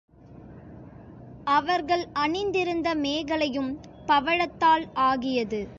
அவர்கள் அணிந்திருந்த மேகலையும் பவழத்தால் ஆகியது.